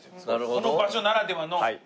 この場所ならではの。